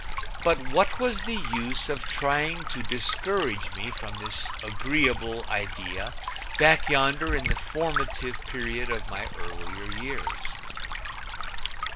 But what was the use of trying to discourage me from this agreeable idea back yonder in the formulative period of my earlier years?